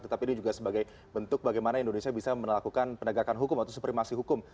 tetapi ini juga sebagai bentuk bagaimana indonesia bisa melakukan penegakan hukum atau supremasi hukum